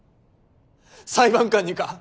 裁判官にか？